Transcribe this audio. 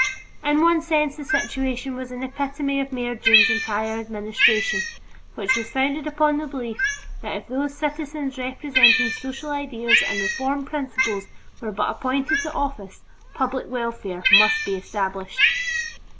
In one sense the situation was an epitome of Mayor Dunne's entire administration, which was founded upon the belief that if those citizens representing social ideals and reform principles were but appointed to office, public welfare must be established.